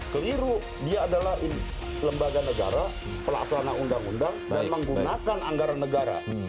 keliru dia adalah lembaga negara pelaksana undang undang dan menggunakan anggaran negara